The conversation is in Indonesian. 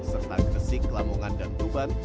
serta gresik lamongan dan tuban